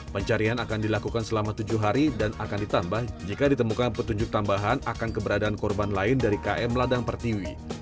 pencarian akan dilakukan selama tujuh hari dan akan ditambah jika ditemukan petunjuk tambahan akan keberadaan korban lain dari km ladang pertiwi